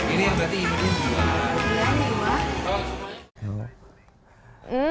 ini yang berarti ibu